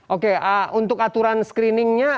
oke untuk aturan screeningnya